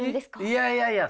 いやいやいや。